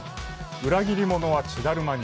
「裏切り者は血だるまに」。